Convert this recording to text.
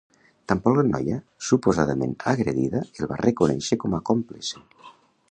Tampoc la noia suposadament agredida el va reconèixer com a còmplice.